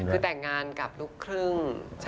คือแต่งงานกับลูกครึ่ง